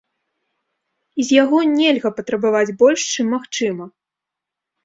І з яго нельга патрабаваць больш, чым магчыма.